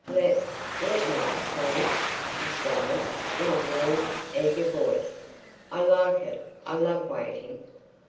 "L—let me, please," she stammered, in a warm, eager voice. "I like it. I love waiting!